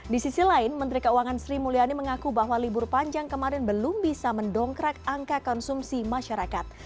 di sisi lain menteri keuangan sri mulyani mengaku bahwa libur panjang kemarin belum bisa mendongkrak angka konsumsi masyarakat